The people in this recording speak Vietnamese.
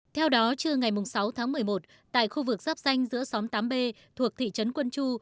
theo đó trưa ngày sáu tháng một mươi một tại khu vực giáp danh giữa xóm tám b thuộc thị trấn quân chu